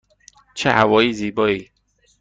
چه هوای زیبایی!